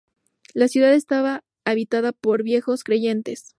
La ciudad estaba habitada por Viejos creyentes.